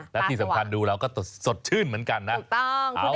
และที่สำคัญดูเราก็สดชื่นเหมือนกันนะ